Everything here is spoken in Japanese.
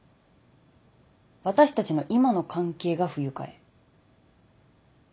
私たちの今の関係が不愉快。